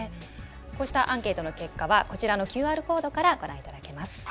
こうしたアンケートの結果はこちらのＱＲコードからご覧いただけます。